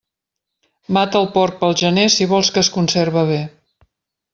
Mata el porc pel gener si vols que es conserve bé.